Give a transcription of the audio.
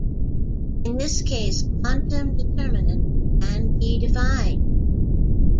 In this case quantum determinant can be defined.